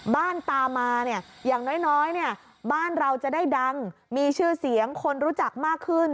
ตามมาเนี่ยอย่างน้อยเนี่ยบ้านเราจะได้ดังมีชื่อเสียงคนรู้จักมากขึ้น